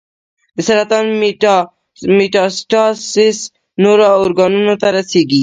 د سرطان میټاسټاسس نورو ارګانونو ته رسېږي.